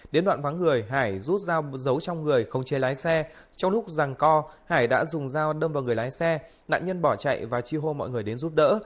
đến đoạn vắng người hải rút dao giấu trong người không chế lái xe trong lúc rằng co hải đã dùng dao đâm vào người lái xe nạn nhân bỏ chạy và chi hô mọi người đến giúp đỡ